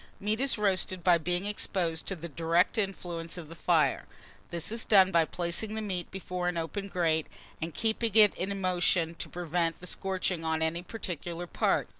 Meat is roasted by being exposed to the direct influence of the fire. This is done by placing the meat before an open grate, and keeping it in motion to prevent the scorching on any particular part.